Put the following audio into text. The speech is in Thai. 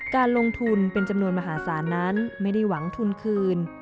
การลงทุนเป็นจำนวนมหาศาลนั้นไม่ได้หวังทุนคืน